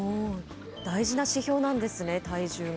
大事な指標なんですね、体重が。